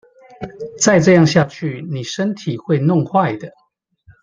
再這樣下去妳身體會弄壞的